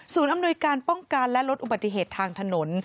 อำนวยการป้องกันและลดอุบัติเหตุทางถนน